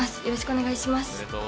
よろしくお願いします。